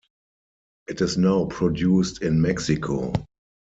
It is now produced in Mexico.